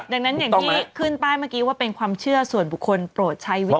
ดังนั้นอย่างที่ขึ้นป้ายเมื่อกี้ว่าเป็นความเชื่อส่วนบุคคลโปรดใช้วิธี